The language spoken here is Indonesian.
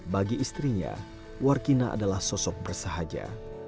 bagi istrinya warkina adalah sosok bersahaja